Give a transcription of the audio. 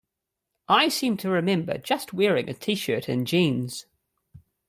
I seem to remember just wearing a t-shirt and jeans.